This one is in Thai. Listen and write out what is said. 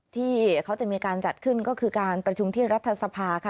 ที่เขาจะมีการจัดขึ้นก็คือการประชุมที่รัฐสภาค่ะ